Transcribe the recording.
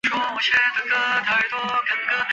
卫理公会从这里扩展到中国北方和东南亚。